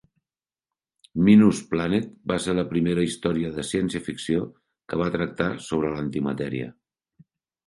"Minus Planet" va ser la primera història de ciència-ficció que va tractar sobre l'antimatèria.